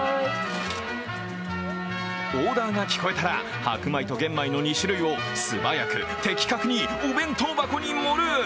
オーダーが聞こえたら白米と玄米の２種類を素早く的確にお弁当箱に盛る。